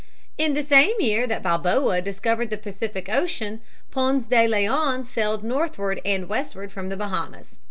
In the same year that Balboa discovered the Pacific Ocean, Ponce de Leon sailed northward and westward from the Bahamas.